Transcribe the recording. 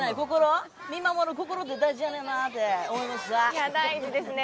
いや大事ですね